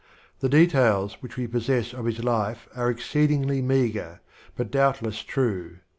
The details which we possess of his life are exceedingly meagre, but doubtless true.